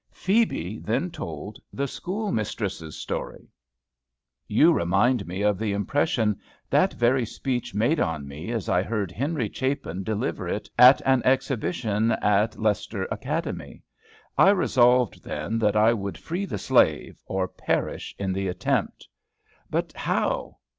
Phebe then told THE SCHOOLMISTRESS'S STORY. You remind me of the impression that very speech made on me, as I heard Henry Chapin deliver it at an exhibition at Leicester Academy. I resolved then that I would free the slave, or perish in the attempt. But how?